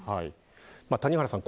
谷原さん